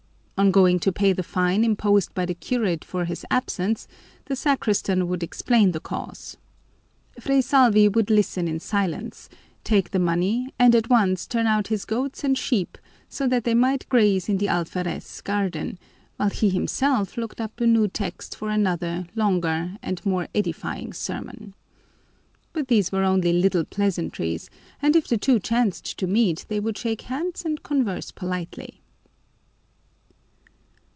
On going to pay the fine imposed by the curate for his absence, the sacristan would explain the cause. Fray Salvi would listen in silence, take the money, and at once turn out his goats and sheep so that they might graze in the alferez's garden, while he himself looked up a new text for another longer and more edifying sermon. But these were only little pleasantries, and if the two chanced to meet they would shake hands and converse politely.